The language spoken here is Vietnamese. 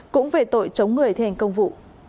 cũng về tội chống người thi hành công vụ